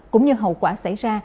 cũng như hậu quả xảy ra